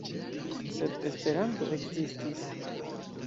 Sed Esperanto ekzistis!